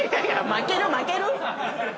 負ける負ける！